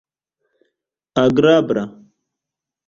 agrabla